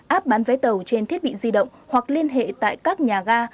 app bán vé tàu trên thiết bị di động hoặc liên hệ tại các nhà ga